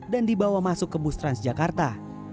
dan dibawa masuk ke bus transjakarta